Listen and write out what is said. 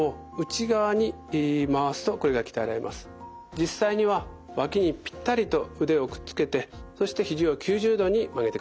実際には脇にぴったりと腕をくっつけてそして肘を９０度に曲げてください。